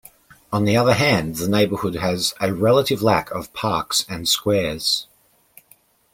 On the other hand, the neighborhood has a relative lack of parks and squares.